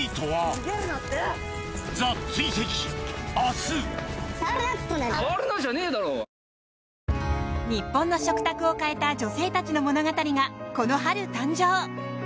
日本の食卓を変えた女性たちの物語が、この春誕生。